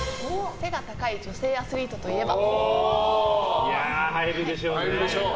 背が高い女性アスリートといえば？